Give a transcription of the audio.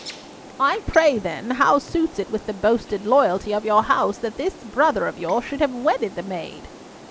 "I pray, then, how suits it with the boasted loyalty of your house that this brother of yours should have wedded the maid?"